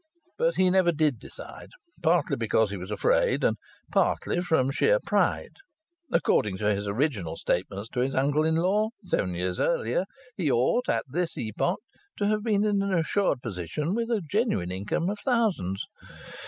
But he never did decide, partly because he was afraid, and partly from sheer pride. (According to his original statements to his uncle in law, seven years earlier, he ought at this epoch to have been in an assured position with a genuine income of thousands.)